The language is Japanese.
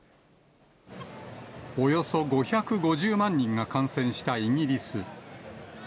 およそ５５０万人が感染したイギリス。